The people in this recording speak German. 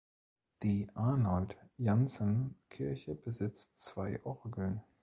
Die Arnold-Janssen-Kirche besitzt zwei Orgeln.